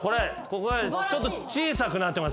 ちょっと小さくなってますよね。